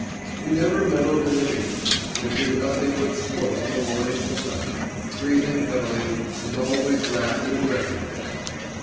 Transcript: He never meddled in anything, and did nothing but smoke from morning till night, breathing heavily, and always wrapped in a dressing gown.